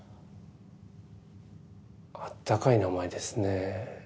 あったかい名前ですね。